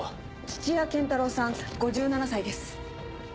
土屋健太郎さん５７歳です。